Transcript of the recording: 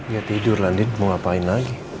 ya tidur landin mau ngapain lagi